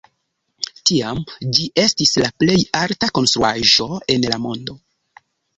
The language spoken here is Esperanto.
Tiam ĝi estis la plej alta konstruaĵo en la mondo.